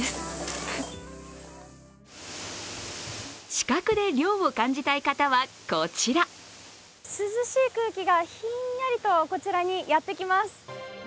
視覚で涼を感じたい方は、こちら涼しい空気がひんやりとこちらにやってきます。